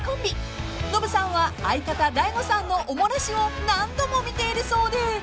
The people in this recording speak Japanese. ［ノブさんは相方大悟さんのお漏らしを何度も見ているそうで］